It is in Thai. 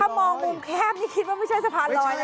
มองมุมแคบนี่คิดว่าไม่ใช่สะพานลอยนะ